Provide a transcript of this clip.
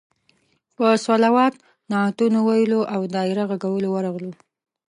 په صلوات، نعتونو ویلو او دایره غږولو ورغلو.